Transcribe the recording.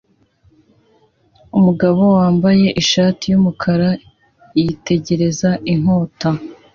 Umugabo wambaye ishati yumukara yitegereza inkota